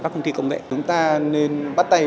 các công ty công nghệ chúng ta nên bắt tay